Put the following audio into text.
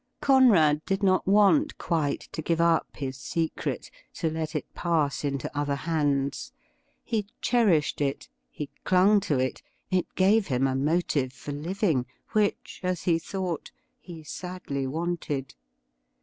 Conrad did not want quite to give up his secret — to let it pass into other hands. He cherished it ; he clung to it ; it gave him a motive for living — ^which, as he thought, he sadly wanted.